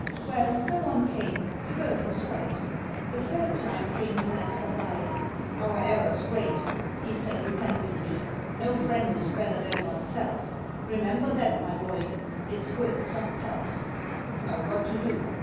Well, no one came; the bird was right. The third time came the master by: "Our error's great," he said, repentantly: "No friend is better than oneself; Remember that, my boy, it's worth some pelf. Now what to do?